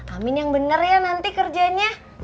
amin yang benar ya nanti kerjanya